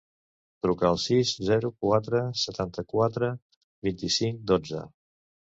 Truca al sis, zero, quatre, setanta-quatre, vint-i-cinc, dotze.